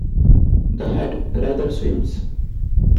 The head rather swims.